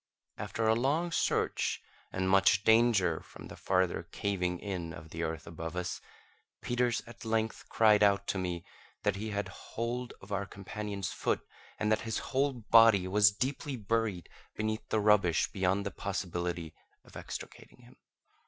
After a long search, and much danger from the farther caving in of the earth above us, Peters at length cried out to me that he had hold of our companion's foot, and that his whole body was deeply buried beneath the rubbish beyond the possibility of extricating him.